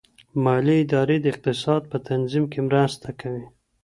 مالي ادارې د اقتصاد په تنظیم کي مرسته کوي.